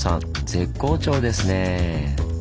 絶好調ですね。